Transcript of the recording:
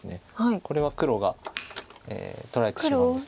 これは黒が取られてしまうんです。